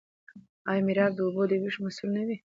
آیا میرآب د اوبو د ویش مسوول نه وي؟